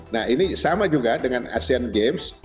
nah ini sama juga dengan asean games